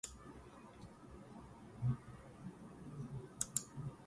At the same time, they embrace new ideas and are open to change.